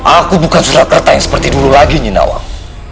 aku bukan surakarta yang seperti dulu lagi nyinawang